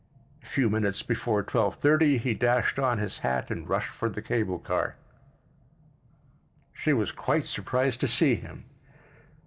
A few minutes before twelve thirty he dashed on his hat and rushed for the cable car. She was quite surprised to see him.